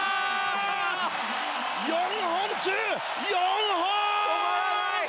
４本中４本！